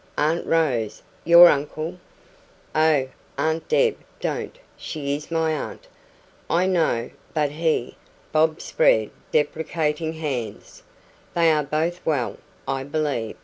"Aunt Rose your uncle ?" "Oh, Aunt Deb don't! She is my aunt, I know, but he " Bob spread deprecating hands. "They are both well, I believe.